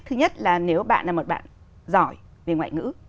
thứ nhất là nếu bạn là một bạn giỏi về ngoại ngữ